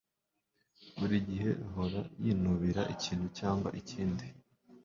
Buri gihe ahora yinubira ikintu cyangwa ikindi